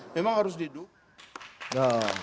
memang harus didukung